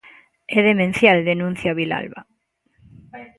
"É demencial", denuncia Vilalba.